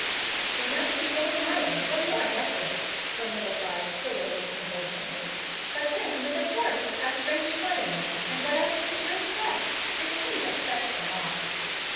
"The young people of my day were more decorous," soliloquized the lady, complacently. "But then the De Forrests have French blood in them, and what else could you expect? It's he that sets them off."